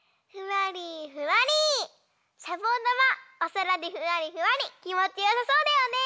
まおそらでふわりふわりきもちよさそうだよね！